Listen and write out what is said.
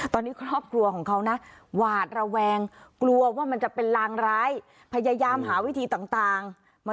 ตอนนี้ครอบครัวของเขานะหวาดระแวง